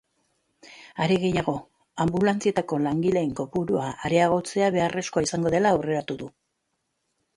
Are gehiago, anbulantzietako langileen kopurua areagotzea beharrezkoa izango dela aurreratu du.